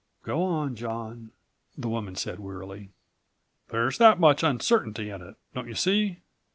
"Go on, John," the woman said wearily. "There's that much uncertainty in it, don't you see?